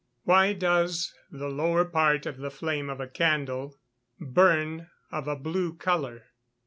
Why does the lower part of the flame of a candle (D) _burn of a blue colour?